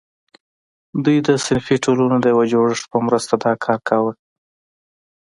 دوی د صنفي ټولنو د یو جوړښت په مرسته دا کار کاوه.